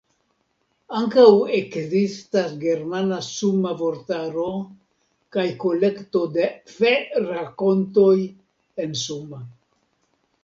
Ankaŭ ekzistas germana-Suma vortaro kaj kolekto de fe-rakontoj en Suma.